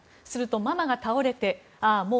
するとママが倒れてああ